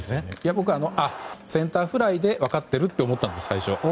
僕、センターフライで分かっていると思ったんです、最初。